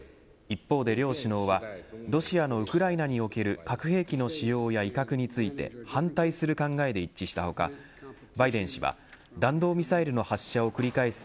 一方で両首脳はロシアのウクライナにおける核兵器の使用や威嚇において反対する考えで一致した他バイデン氏は弾道ミサイルの発射を繰り返す